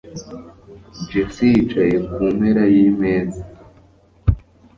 Jessie yicaye ku mpera yimeza.